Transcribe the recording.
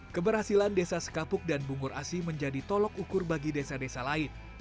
keberhasilan desa sekapuk dan bungur asi menjadi tolok ukur bagi desa desa lain